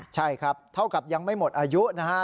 ใช่ครับเท่ากับยังไม่หมดอายุนะฮะ